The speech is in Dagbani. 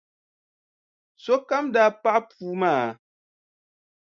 Sokam daa paɣi puu maa.